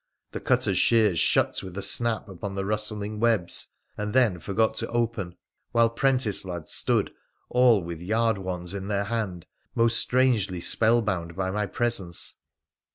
The cutter's shears shut with a snap upon the rustling webs, and then forgot to open, while 'prentice lads stood, all with yardwands in their hand, most strangely spellbound by my presence.